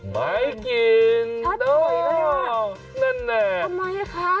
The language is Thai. อ๋อไม่กินนั่นแหละทำไมละคะ